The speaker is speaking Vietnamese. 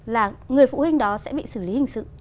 là người phụ huynh đó sẽ bị xử lý hình sự